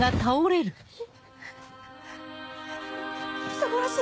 人殺し！